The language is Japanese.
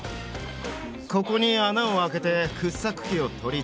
ここに穴を開けて掘削機を取り付ける。